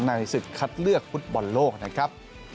ในศึกคัดเลือกฟุตบอลโลกนะครับ